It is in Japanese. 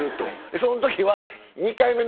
その時は。